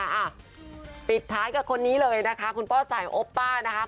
อ่ะปิดท้ายกับคนนี้เลยนะคะคุณป้าสายโอป้านะคะ